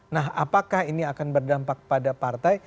nah apakah ini akan berdampak pada partai